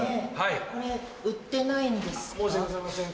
これ売ってないんですか？